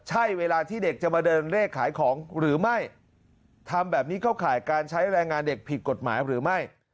ใช่เวลาที่เด็กจะมาเดินเลขขายของหรือไม่ทำแบบนี้เข้าข่ายการใช้แรงงานเด็กผิดกฎหมายหรือไม่